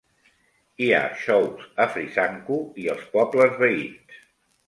Hi ha xous a Frisanco i els pobles veïns.